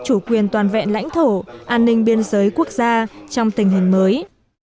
chủ quyền toàn vẹn lãnh thổ an ninh biên giới quốc gia trong tình hình mới